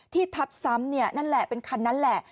ทับซ้ำเนี่ยนั่นแหละเป็นคันนั้นแหละ